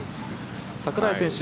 櫻井選手